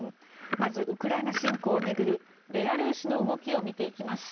まずウクライナ侵攻を巡るベラルーシの動きを見ていきます。